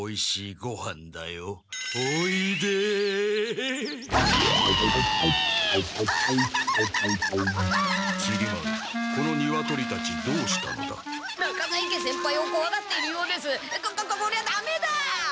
ここここりゃダメだ！